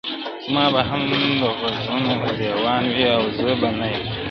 زما به هم د غزلونو- دېوان وي- او زه به نه یم-